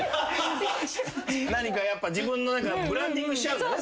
やっぱ自分の何かブランディングしちゃうのね。